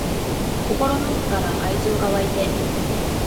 心の奥から愛情が湧いて